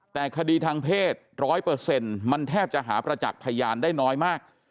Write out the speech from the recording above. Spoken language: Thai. แต่คดีทางเพศ๑๐๐มันแทบจะหาประจักษ์พยานได้น้อยมาก